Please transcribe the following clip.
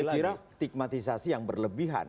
saya kira stigmatisasi yang berlebihan